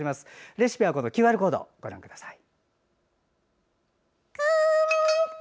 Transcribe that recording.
レシピはこのＱＲコードをご覧ください。